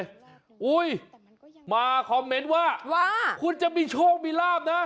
อุ้ยมาคอมเมนต์ว่าว่าคุณจะมีโชคมีลาบนะ